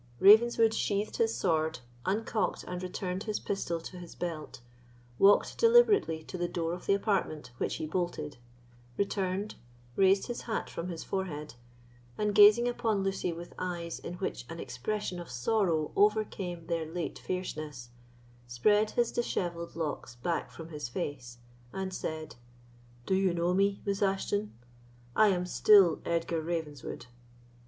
Ravenswood sheathed his sword, uncocked and returned his pistol to his belt; walked deliberately to the door of the apartment, which he bolted; returned, raised his hat from his forehead, and gazing upon Lucy with eyes in which an expression of sorrow overcame their late fierceness, spread his dishevelled locks back from his face, and said, "Do you know me, Miss Ashton? I am still Edgar Ravenswood."